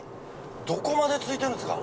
どこまで続いてるんですか。